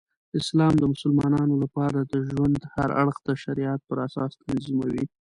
اسلام د مسلمانانو لپاره د ژوند هر اړخ د شریعت پراساس تنظیموي.